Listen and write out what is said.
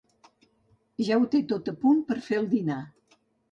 Ja ho té tot a punt per fer el dinar.